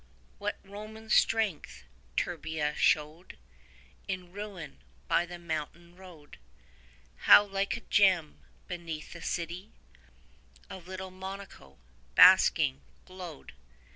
What Roman strength Turbia showed 5 In ruin, by the mountain road; How like a gem, beneath, the city Of little Monaco, basking, glowed.